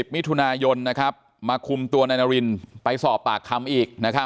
มิถุนายนมาคุมตัวนายนารินไปสอบปากคำอีก